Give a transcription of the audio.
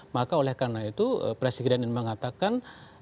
maka oleh karena itu presiden ingin mengatakan